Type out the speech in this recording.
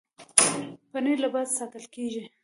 پنېر له باده ساتل کېږي.